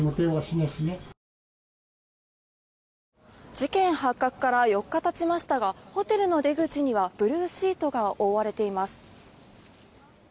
事件発覚から４日経ちましたがホテルの出口にはブルーシートが覆われています。